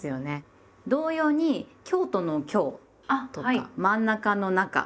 同様に京都の「京」とか真ん中の「中」